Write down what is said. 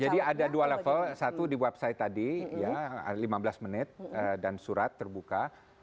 jadi ada dua level satu di website tadi ya lima belas menit dan surat terbuka